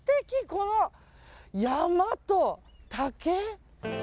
この山と竹？